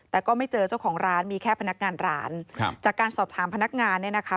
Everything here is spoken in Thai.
แต่ก็ไม่เจอเจ้าของร้านมีแค่พนักงานร้านครับจากการสอบถามพนักงานเนี่ยนะคะ